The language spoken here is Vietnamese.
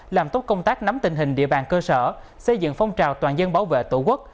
làm tốt công tác nắm tình hình địa bàn cơ sở xây dựng phong trào toàn dân bảo vệ tổ quốc